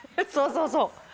そうそうそう！